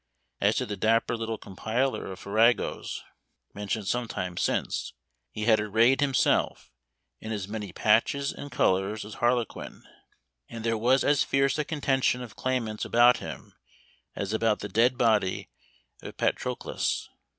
As to the dapper little compiler of farragos mentioned some time since, he had arrayed himself in as many patches and colors as harlequin, and there was as fierce a contention of claimants about him, as about the dead body of Patroclus.